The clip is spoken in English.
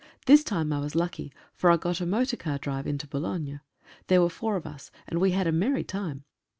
This time I was lucky, for I got a motor car drive to Boulogne. There were four of us, and we had a merry time.